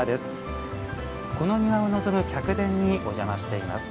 この庭を望む客殿にお邪魔しています。